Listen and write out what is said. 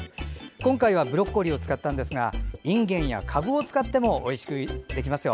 今回はブロッコリーを使ったんですがいんげんやかぶを使ってもおいしくできますよ。